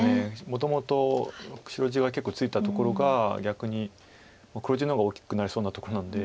もともと白地が結構ついたところが逆に黒地の方が大きくなりそうなとこなので。